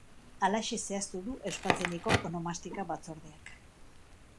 Halaxe zehaztu du Euskaltzaindiko Onomastika Batzordeak.